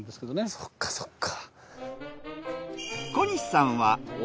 そっかそっか。